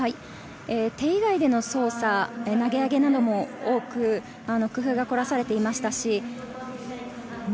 手以外での操作、投げ上げなども多く工夫がこらされていました。